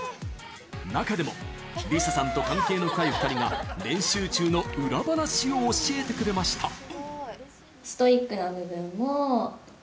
中でも理佐さんと関係の深い２人が練習中の裏話を教えてくれました。